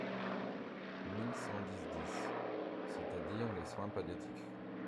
mille cent dix-dix », c’est-à-dire les soins palliatifs.